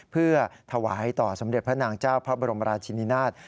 เพื่อถวายต่อสมเด็จพระนางเจ้าพระบรมราชินินาศ